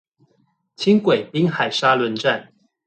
輕軌濱海沙崙站